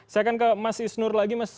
saya akan ke mas isnur lagi